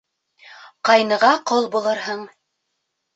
Ҡайныға ҡол булырһың.